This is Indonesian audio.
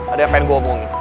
ada yang pengen gue omongin